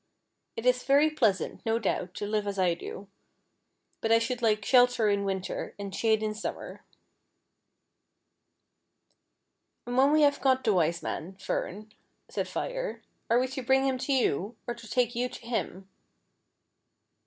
It is very pleasant, no doubt, to live as I do ; but I should like shelter in winter, and shade in summer." " And when we have got the Wise Man, Fern," said Fire, " are we to bring him to you, or to take you to him